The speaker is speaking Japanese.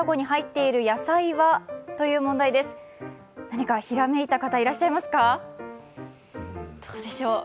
何かひらめいた方、いらっしゃいますか？